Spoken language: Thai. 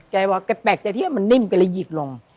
แกบอกแกแปลกใจที่ว่ามันนิ่มแกเลยหยิบลง